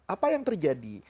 apa yang terjadi